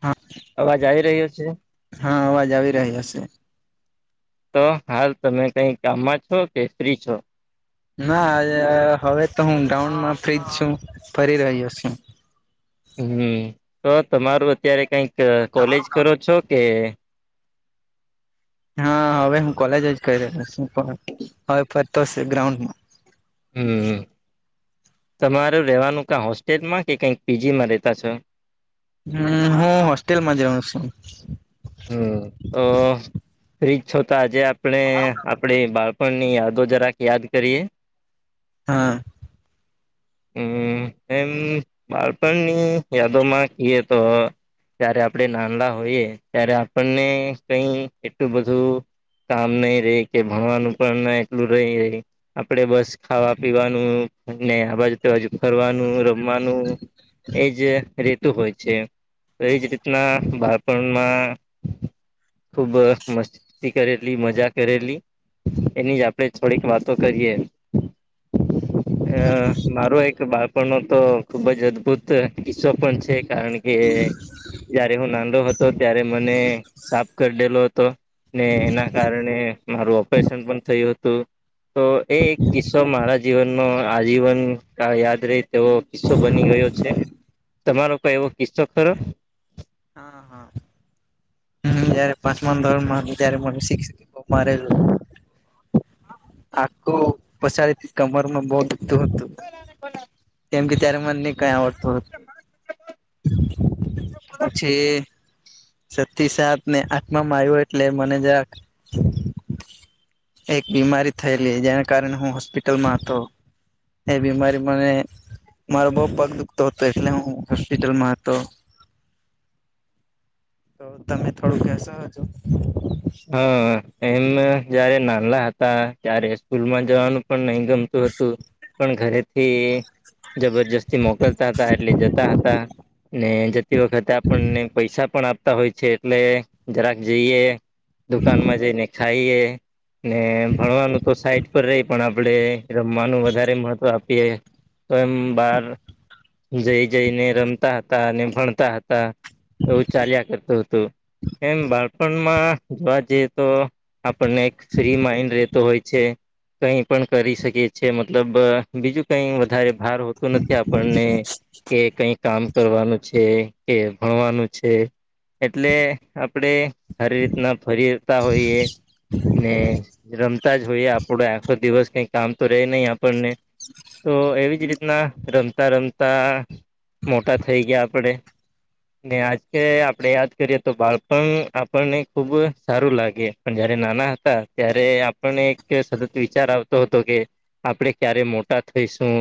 હા અવાજ આવી રહ્યો છે? હા અવાજ આવી રહ્યા શે. તો હાલ તમે કઈ કામમાં છો કે ફ્રી છો? ના હવે તો હું ડ્રાઉનમાં ફ્ર્રીજ છું, ફરી રહ્યો છું. હમ્મ તો તમારું અત્યારે કઈક કોલેજ કરો છો કે હા હવે હું કોલેજ જ કરી રહ્યો છું. પણ હવે ફરતો છે ગ્રાઉન્ડ હમ્મ, તમારે રેવાનું કા હોસ્ટેલમાં કે કઈક પી જીમાં રેતા છો? હમ્મ, હું હોસ્ટેલમાં જ રહું છું. હમ્મ તો ફ્રીજ છો તા આજે આપણે આપડી બાળ પણ ની યાદો જરાક યાદ કરીએ. હા. હમ્મ, એમ બાળપણની યાદોમાં કીએ તો જય્યારે આપણે નાનલા હોઈએ ત્યારે આપણને કઈ એટલું બધું કામ નહી રહી કે ભણવાનું ઉપર ના એટલું રહી રહી. આપડે બસ ખાવા પીવાનું અને અવાજુ તજુ ફરવાનું, રમવાનું એજ રેતુ હોય છે. એજ રીતના બાળપણમાં ખૂબ મસ્તી કરેલી મજા કરેલી એની જ આપડે થોડીક વાતો કરીએ. અ મારો એક બાળપણનો તો ખુબ જ અદભુત કિસ્સો પણ છે. કારણ કે જયારે હું નાનલો હતો ત્યારે મને સાફ કરી દેલો હતો. ને એના કારણે મારું ઓપરેશન પણ થયું હતું. તો એ એક કિસ્સો મારા જીવનનો આજીવન કા યાદ રહી તેવો કિસ્સો બની ગયો છે. તમારો કઈ એવો કિસ્સો ખરો? હા હા. હમ્મ, જયારે પાંચમા ધોરણ મા ત્યારે મને શીખ બો મારેલું. આખું પછાડીથી કમરમાં બહુ દુખતું હતું. કેમ કે ત્યારે મને કઈ આવડ તો પછી છતી સાત ને આત્મામાં આવ્યો એટલે મને જરાક એક બીમારી થયેલી જેના કારણે હું હોસ્પિટલમાં હતો. એ બીમારીરી મને મા બહુ પગ દુખતો હતો એટલે હું હોસ્પિટલમાં હતો. [inaudible] તો તમે થોડું કેસો હજો? હા. એમ જયારે નાનલા હતા ત્યારે સ્કૂલમાં જવાનું પણ નહી ગમતું હતું. પણ ઘરેથી જબરજસ્તી મોકલતા હતા એટલે જતા હતા. ને જતી વખતે આપણને પૈસા પણ આપતા હોય છે એટલે જરાક જઈએ. દુકાનમાં જઈને ખાઈએ. ને ભણવાનું તો સાઈટ પર રહી પણ આપણેે રમવાનું વધારે મહત્વ આપીએ. તો એમ બાર જઈ જઈને રમતા હતા અને ભણતા હતા. એવું ચાલ્યા કરતું હતું એમ બાળપણમાં જોવા જઈએ તો આપને એક થ્રી માઈન્ડ રહેતો હોય છે. કઈ પણ કરી શકીએ છીએ મતલબ બીજું કઈ વધારે ભાર હોતો નથી આપને કે કઈક કામ કરવાનું છે કે ભણવાનું છે. એટલે આપણેે સારી રીતના ફરી તાં હોઈએ. ને રમતા જ હોઈએ આપૂડે આખો દિવસ કઈ કામ તો રીયે નહી આપને તો એવી જ રીતના રમતા રમતા મોટા થઈ ગયા આપડે. ને આજે આપડે યાદ કરીએ તો બાળપણ આપને ખુબ સારું લાગે પણ જયારે નાના હતા ત્યારે આપને એક સતત વિચાર આવતો હતો કે આપડે ક્યારે મોટા થઈશું?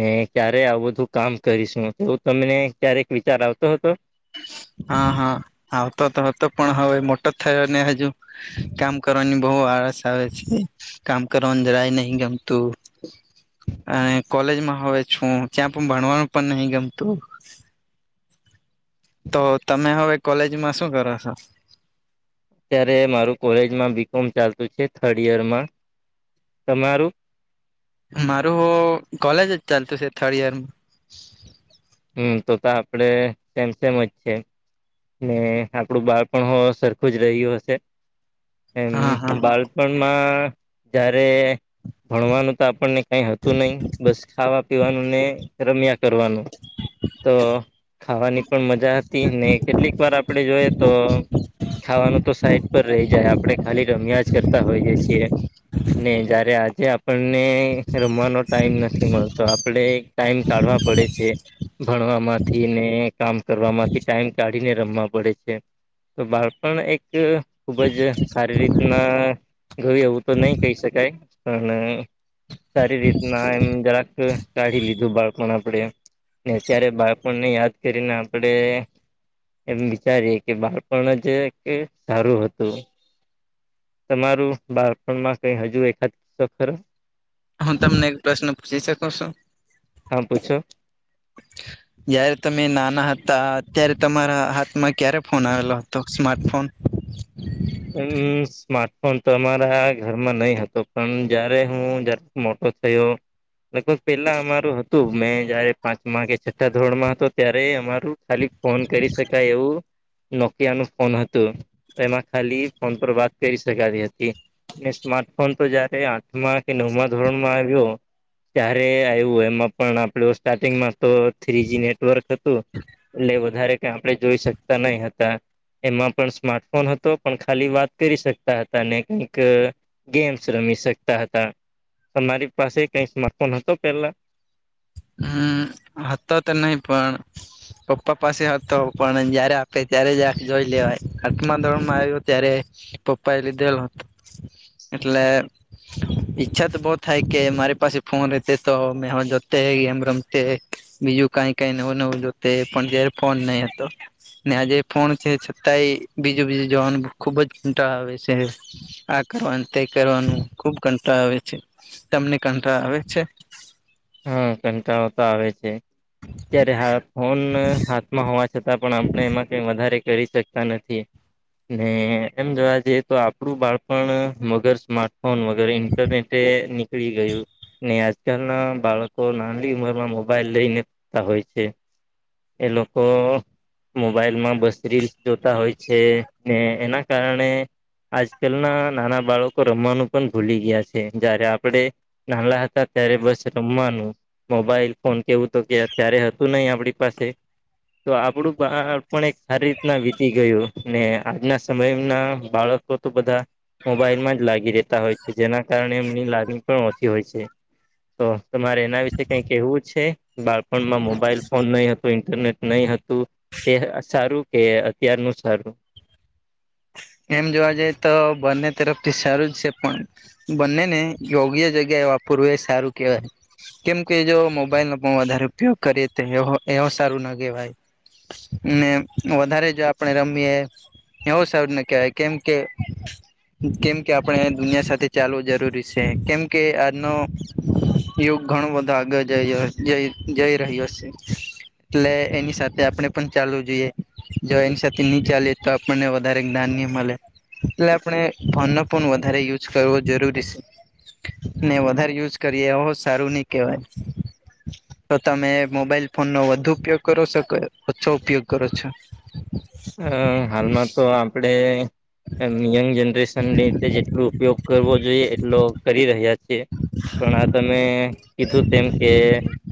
ને ક્યારે આવું બધું કામ કરીશું એવું તમને ક્યારેક વિચાર આવતો હતો. હાં હાં આવતો તો હતો પણ હવે મોટો થયો ને હજુ. કામ કરવાની બહુ આળસ આવે છે. કામ કરવાનું જરાય નહી ગમતું. અને કોલેજમાં હવે છું. ચ્યા પણ ભણવાનું પણ નહીં ગમતું. તો તમે હવે કોલેજમાં શું કરો સો. અત્યારે મારું કોલેજમાં બી કોમ ચાલતું છે થર્ડ યરમાં તમારું? મારું કોલેજ જ ચાલતું છે થર્ડ ઈયર હમ તો તો આપડે સેમસેમ જ છીએ. ને આપણું બાળપણ [unintelligible] સરખું જ રહ્યું હશે હા હા એમ બાળ [unintelligible] માં જ્યારે ભણવાનું તો આપને કઈ હતું નહી બસ ખાવા પીવાનું ને રમ્યા કરવાનું. તો ખાવાની પણ મજા હતી ને. કેટલીક વાર આપણે જોઈએ. તો ખાવાનું તો સાઈડ પર રહી જાય આપણેે ખાલી રમ્યા જ કરતા હોઈએ છીએ. ને જયારે આજે આપણને રમવાનો ટાઈમ નથી મળતો આપડે ટાઈમ કાઢવા પડે છે. ભણવા માંથી ને કામ કરવા થી ટાઈમ કાઢીને રમવા પડે છે. તો બાળપણ એક ખુબ જ સારી રી ના જોય એવું તો નહી કહી શકાય પણ સારી રીતના એમ જરાક કાઢી લીધું બાળપણ આપડે. ને અત્યારે બાળપણને યાદ કરીને આપડે એમ વિચારીએ કે બાળપણ જ [unintelligible] સારું હતું. તમારું બાળપણમાં કઈ હજુ એકાદ [unintelligible] હું તમને એક પ્રશ્ન પુશી શકું શું? હા પૂછો. જયારે તમે નાના હતા ત્યારે તમારા હાથમાં ક્યારે ફોન આવેલો હ તો સ્મા્ટફોન હમ સ્માર્ટફોન તો અમારા ઘરમાં નહી હતો પણ જયારે હું મોટો થયો. લગભગ પેલા અમારું હતું મેં જયારે પાંચમા કે છઠ્ઠા ધોરણમાં હતો ત્યારે અમા ખાલી ફોન કરી શકાય એવું નોકિયા નું ફોન હતું. એમાં ખાલી ફોન પર વાત કરી શકાતી હતી. ને સ્માર્ટફોન તો જયારે આઠમાં કે નવમાં ધોરણમાં આવ્યો. ત્યારે આવ્યું એમાં પણ આપડું સ્ટાર્ટિંગમાં તો થ્રીજી નેટવર્ક [unintelligible] એટલે વધારે કઈ આપણે જોઈ શકતા નઈ હતા એમાં પણ સ્માર્ટફોન હતો. પણ ખાલી વાત કરી શકતા હતા ને કઈક ગેમ્સ રમી શકતા હતા. તમારી પાસે કઈ સ્માર્ટ ફોન હતો પેલા હમ હતા તો નહી પણ પપ્પા પાસે હતો પણ જયારે આપે ત્યારે જ આ જોઈ લેવાય આઠમા ધોરણમાં આવ્યો ત્યારે પપ્પા એ લીધેલ હતો એટલે ઈચ્છા તો બહુ થાય કે મારી પાસે ફોન રતે તો મેં હ તે ગમ રમતે બીજું કઈ કઈ નવું નવું તે પણ જ્યારે ફોન નહી હતો. ને આજે ફોન છે છતાંય બીજું બીજું જવાનું ખુબ જ કંટાળો આવે છે. આ કરવાનું તે કરવાનું ખુબ કંટાળો આવે છે. તમને કંટાળો આવે છે? હા કંટાળો તો આવે છે ત્યારે હા ફોન હા હોવા છતાં પણ આપણે એમાં કઈ વધારે કરી શકતા નથી. ને એમ જોવા જઈએ તો આપડું બાળપણ વગર સ્માર્ટફોન વગર તે નીકળી ગયું ને આજકાલ ના બાળકો નાની ઉંમર માં મોબાઈલ લઈને લેતા હોય છે. એ લોકો મોબાઈલ માં બસ રીલ્સ જોતા હોય છે ને એના કારણે આજકાલ ના નાના બાળકો રમવાનું પણ ભૂલી ગયા છે જયારે આપડે નાના હતા ત્યારે બસ રમવાનું મોબાઈલ ફોન કેવું તો કે અત્યારે હતું નહી આપડી પાસે તો આપડું બાળપણ એક સારી રીતના વીતી ગયું ને આજના સમય ના બાળકો તો બધા મોબાઈલમાં જ લાગી રેતા હોય છે જેના કારણે એમની લત પણ ઓછી હોય છે. તો તમારે એના વિશે કઈ કેવું છે બાળપણમાં મોબાઈલ ફોન નહી હ તો ઇન્ટરનેટ નહી હતું તે સારું કે અત્યારનું જ સારું. એમ જોવા જઈ તો બંને તરફથી સારું જ છે પણ બંનેને યોગ્ય જગ્યાએ વાપરવું એ સારું કહેવાય. કેમકે જો મોબાઈલ નો પણ વધારે ઉપયોગ કરીએ તો એવો સારું ના કહેવાય. ને વધારે જો આપડે રમીએ એવું સર ને કે કેમ કે કેમ કે આપણે દુનિયા સાથે ચાલવું જરૂરી છે કેમ કે આજનો યોગ ઘણું બધા આગળ જઈ જઈ જઈ રહ્યો છે. એટલે એની સાથે આપણે પણ ચાલવું જોઈએ જો એની સાથે નહી ચાલે તો આપણને વધારે ધાન્ય મળે એટલે આપણે ફોનનો પણ વધારે યુઝ કરવો જરૂરી છે. ને વધારે યુઝ કરીએ સારું નહી કહેવાય. [inaudible] તો તમે મોબાઈલ ફોન નો વધુ ઉપયોગ કરો શકો ઓછો ઉપયોગ કરો છો? અ હાલમાં તો આપણેે યંગ જનરેશનીતે જેટલો ઉપયોગ કરવો જોઈએ એટલો કરી રહ્યા છીએ. પણ આ તમે કીધું તેમ કે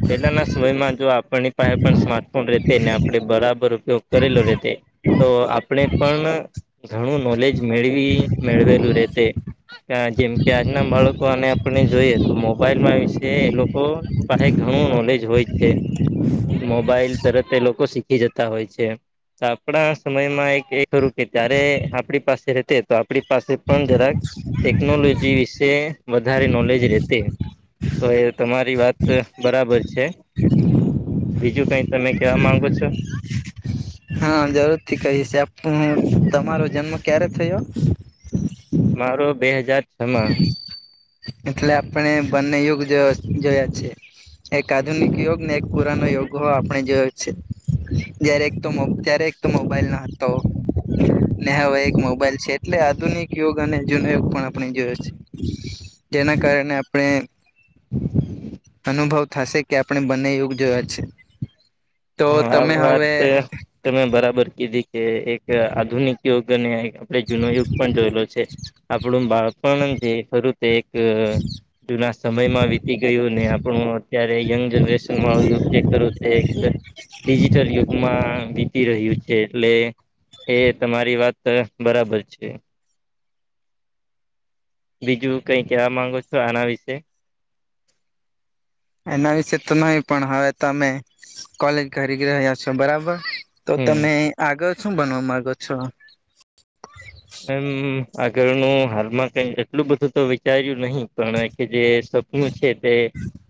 પેલાના સમયમાં જો આપણની પાસે પણ સ્માર્ટફોન રેતે ને આપણે બરાબર ઉપયોગ કરેલો રેતે. તો આપણે પણ ઘણું નોલેજ મેળવી મેળવેલું રેતે. જેમ કે આજના બાળકો અને આપને જોઈએ તો મોબાઈલ ના વિશે એ લોકો પાય ઘણું નોલેજ હોય છે મોબાઈલ તરત લોકો શીખી જતા હોય છે. તો આપણા સમયમાં એક એ ખરું કે જય્યારે આપણી પાસે રહેતે તો આપડી પાસે પણ જરાક ટેકનોલોજી વિશે. વધારે નોલેજ રેતી તો એ તમારી વાત બરાબર છે. બીજું કઈ તમે કેવા માંગો છો? હા જરૂર થી કહીશ આપ તમારો જન્મ ક્યારે થયો? મારો બે હજાર. છમાં એટલે આપણે બંને યુગ જોયા જોયા છે. એક આધુનિક યોગ ને એક પુરાનો યોગ હો આપણે જોયો જ છે. જયારે એક તો ત્યારે એક તો મોબાઈલ ન હતો ને હવે એક મોબાઈલ છે. એટલે આધુનિક યોગ અને જૂનો યોગ પણ આપણે જોયો છે જેના કારણે આપણે અનુભવ થશે કે આપણે બંને યુગ જોયા છે. તો આ તમે વાત હવે તમે બરાબર કીધી કે એક આધુનિક યુગ અને એક આપળે જૂનો યુગ પણ જોયેલો છે આપણું બાળપણ જે ખરું તે એક જુના સમયમાં વીતી ગયું ને આપણું અત્યારે યંગ જનરેશન વાળુ યુથ જે ખરું તે ડિજિટલ યુગમાં વીતી રહ્યું છે. એટલે એ તમારી વાત બરાબર છે. બીજું કઈ કહેવા માંગો છો આના વિશે. એના વિશે તો નહી પણ હવે તમે કોલેજ કરી રહ્યા છો બરાબર. તો હમ તમે આગળ શું બનવા માંગો છો. એમ આગળનું હાલમાં કઈ એટલું બધું તો વિ વિચાર્યું નહી પણ કે જે સપનું છે તે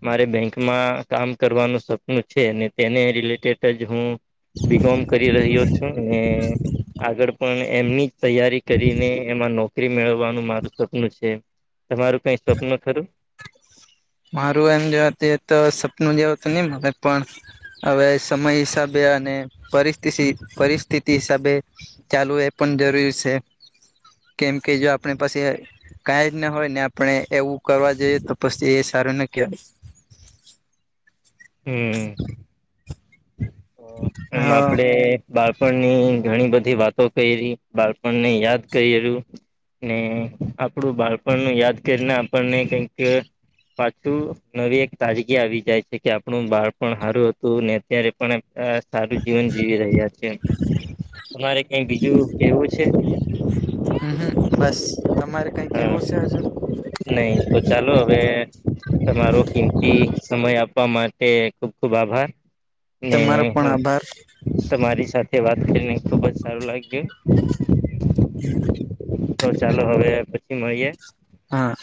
મારે બેંક માં કામ કરવાનું સપનું છે અને તેને રિલેટેડ જ હું બીકોમ કરી રહ્યો છું ને આગળ પણ એમની જ તૈયા કરીને એમાં નોકરી મેળવવાનું મારું સપનું છે તમારું કઈ સપનું ખરું. મારું એમ જોયતે તો સપનું જેવું તો ની મળે પણ હવે સમય હિસાબે અને પરિસ્તિથિ પરિસ્થિતિ હિસાબે ચાલુ એ પણ જરૂરી સે કેમ કે જો આપણે પાસે કાંઈ જ ના હોય ને આપણે એવું કરવા જઈએ તો પસી એ સારું ન કેવાય. હમ. એમ હા આપડે બાળપણની ઘણી બધી વાતો કયરી બાળપણને યાદ કયરુ. ને આપણું બાળપણ નું યાદ કરીને આપણને કઈક પાછું નવી એક તાજગી આવી જાય છે કે આપણું બાળપણ હારું હતું ને અત્યારે પણ એમ અ. સારું જીવન જીવી રહ્યા છે તમારે કાંઈ બીજું કેવું છે. અહ બસ તમારે કઈ હા કેવું ચાર્યુ. નહી તો ચાલો હવે તમારો કિંમતી સમય આપવા માટે ખુબ ખુબ આભાર. ને તમારો પણ હમ. આભાર તમારી સાથે વાત કરીને ખુબ જ સારું લાગ્યું. [inaudible] તો ચાલો હવે પછી મળીએે. હા.